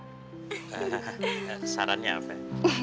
hahaha sarannya apa ya